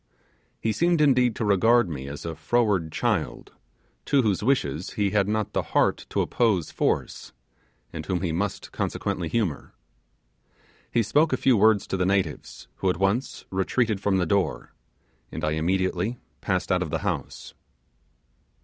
He seemed indeed to regard me as a forward child, to whose wishes he had not the heart to oppose force, and whom he must consequently humour. He spoke a few words to the natives, who at once retreated from the door, and I immediately passed out of the house.